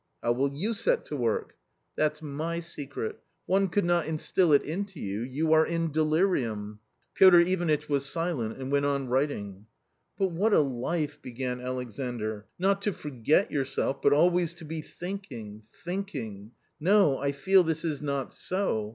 " How will you set to work ?" "That's my secret; one could not instil it into you; you are in delirium." Piotr Ivanitch was silent, and went on writing. " But what a life !" began Alexandr ;" not to forget yourself, but always to be thinking — thinking — no, I feel this is not so